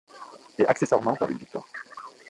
Et accessoirement par une victoire.